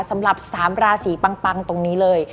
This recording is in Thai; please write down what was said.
สำหรับ๓ราศีปังตรงนี้เลย